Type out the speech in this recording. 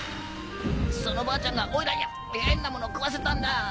そのばあちゃんがオイラに変なもの食わせたんだ。